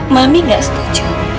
mami gak setuju